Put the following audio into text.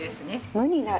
無になる。